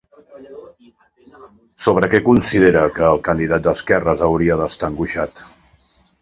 Sobre què considera que el candidat d'esquerres hauria d'estar angoixat?